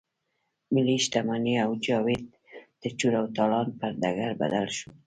ملي شتمني او جايداد د چور او تالان پر ډګر بدل شو.